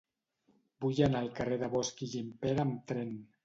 Vull anar al carrer de Bosch i Gimpera amb tren.